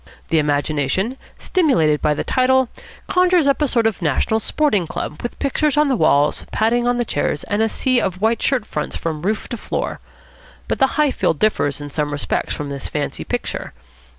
The imagination, stimulated by the title, conjures up a sort of National Sporting Club, with pictures on the walls, padding on the chairs, and a sea of white shirt fronts from roof to floor. But the Highfield differs in some respects from this fancy picture.